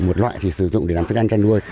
một loại thì sử dụng để làm thức ăn chăn nuôi